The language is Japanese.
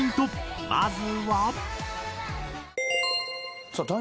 まずは。